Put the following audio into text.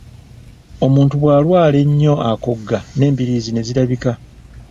Omuntu bw'alwala ennyo akogga n'embiriizi ne zirabika.